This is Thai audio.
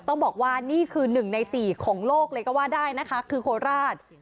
ต้องบอกว่านี่คือ๑ใน๔ของโลกเลยก็ว่าได้นะคะคือโคราช